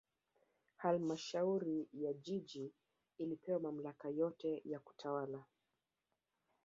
halmashauri ya jiji ilipewa mamlaka yote ya kutawala